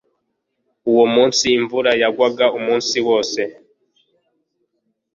Uwo munsi imvura yagwaga umunsi wose